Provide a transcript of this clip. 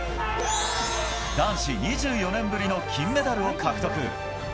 男子２４年ぶりの金メダルを獲得。